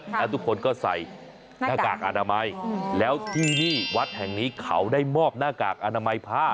แล้วทุกคนก็ใส่หน้ากากอนามัยแล้วที่นี่วัดแห่งนี้เขาได้มอบหน้ากากอนามัยผ้า